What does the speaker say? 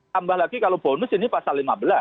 tambah lagi kalau bonus ini pasal lima belas